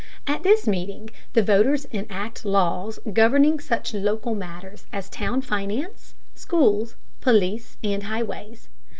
At this meeting the voters enact laws governing such local matters as town finance, schools, police, and highways.